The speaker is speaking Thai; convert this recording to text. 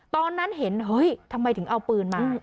ตอนนั้นเห็นเฮ้ยทำไมถึงเอาปืนมา